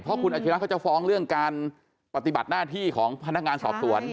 เพราะคุณอาชิระเขาจะฟ้องเรื่องการปฏิบัติหน้าที่ของพนักงานสอบสวน